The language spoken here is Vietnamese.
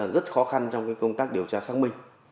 rất khó khăn trong công tác điều tra xác minh